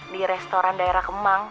di restoran daerah kemang